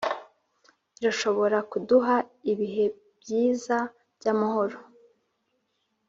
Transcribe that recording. irashobora kuduha ibihe byiza byamahoro.